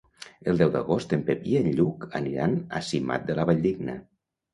El deu d'agost en Pep i en Lluc aniran a Simat de la Valldigna.